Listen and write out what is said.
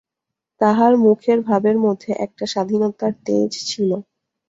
তাহার মুখের ভাবের মধ্যে একটা স্বাধীনতার তেজ ছিল।